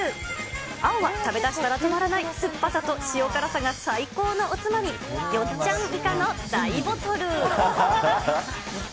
青は食べだしたら止まらない、酸っぱさと塩辛さが最高のおつまみ、よっちゃんいかの大ボトル。